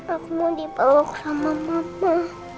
aku mau dipelok sama mama